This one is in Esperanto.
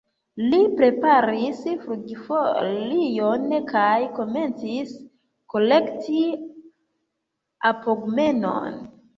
Li preparis flugfolion kaj komencis kolekti apogmonon.